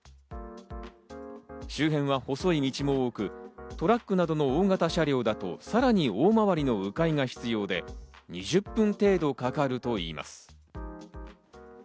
周辺は細い道も多く、トラックなどの大型車両だと、さらに大回りの迂回が必要で、２０分程度かかるといいます。